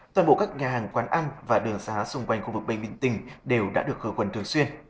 toàn bộ các nhà hàng quán ăn và đường xá xung quanh khu vực bệnh viện tỉnh đều đã được khởi quần thường xuyên